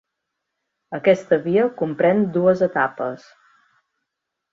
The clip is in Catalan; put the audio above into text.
Aquesta via comprèn dues etapes.